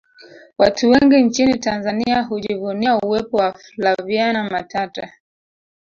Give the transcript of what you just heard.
watu wengi nchini tanzania hujivunia uwepo wa flaviana matata